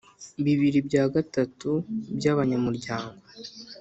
Bibili bya gatatu by abanyamuryango